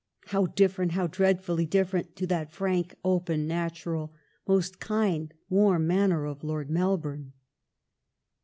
how different, how dreadfully different to that frank, open, natural, most kind, warm manner of Lord Mel bourne.